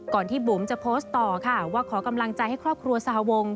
ที่บุ๋มจะโพสต์ต่อค่ะว่าขอกำลังใจให้ครอบครัวสหวง